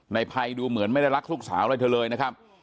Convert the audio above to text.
นายไพดูเหมือนไม่ได้รักลูกสาวด้วยเธอเลยนะครับ